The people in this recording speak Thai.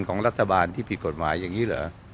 ของรัฐบาลที่ผิดกฎหมายอย่างนี้เหรอ